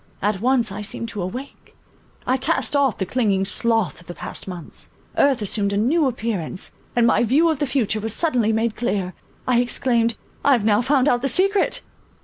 At once, I seemed to awake; I cast off the clinging sloth of the past months; earth assumed a new appearance, and my view of the future was suddenly made clear. I exclaimed, "I have now found out the secret!"